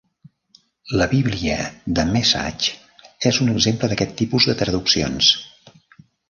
La bíblia The Message és un exemple d'aquest tipus de traduccions.